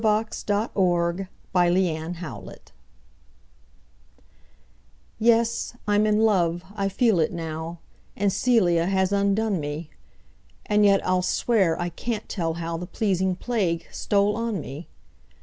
W X . Y Z The Je Ne Scai Quoi YES, I'm in love, I feel it now, And Cælia has undone me; And yet I'll swear I can't tell how The pleasing plague stole on me.